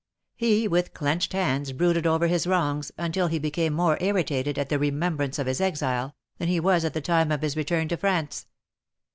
He with clenched hands, brooded over his wrongs, until he became more irritated at the remembrance of his exile, than he was at the time of his return to France.